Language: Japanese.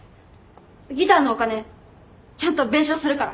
ギターのお金ちゃんと弁償するから。